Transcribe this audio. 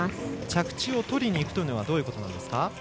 着地をとりにいくというのはどういうことなんですか。